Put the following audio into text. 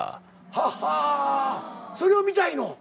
はっはそれを見たいの？